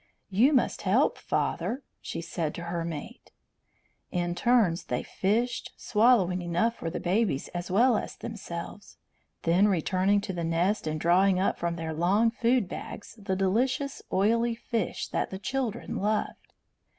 "You must help, father," she said to her mate. In turns they fished, swallowing enough for the babies as well as themselves, then returning to the nest and drawing up from their long food bags the delicious oily fish that the children loved.